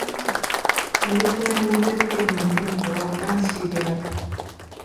ムルト＝エ＝モゼル県の県都はナンシーである